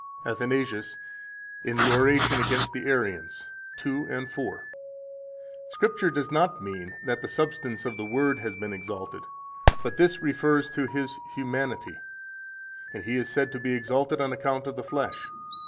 42 ATHANASIUS, in the Oration against the Arians, 2 and 4 (f. 347. 490 f. 492, ed. Colon., 1686): "Scripture does not mean that the substance of the Word has been exalted, but this refers to His humanity, and He is said to be exalted on account of the flesh.